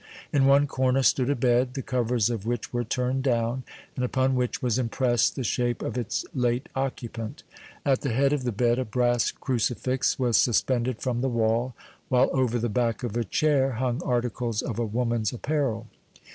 In one corner stood a bed, the covers of which were turned down, and upon which was impressed the shape of its late occupant. At the head of the bed a brass crucifix was suspended from the wall, while over the back of a chair hung articles of a woman's apparel.